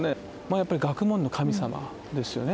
やっぱり学問の神様ですよね。